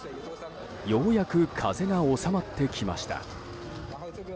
ようやく風が収まってきました。